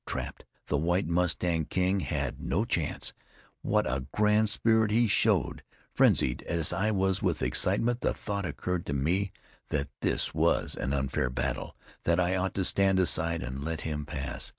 Trapped, the White Mustang King had no chance. What a grand spirit he showed! Frenzied as I was with excitement, the thought occurred to me that this was an unfair battle, that I ought to stand aside and let him pass.